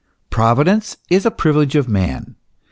* Providence is a privilege of man.